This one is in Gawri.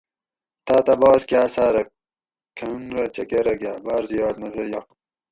تاٞتہ باس کاٞ ساٞرہ کوہنگ رہ چکٞرہ گاٞ باٞر زیات مزہ یائ